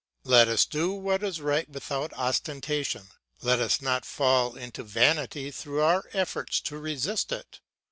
Let us do what is right without ostentation; let us not fall into vanity through our efforts to resist it.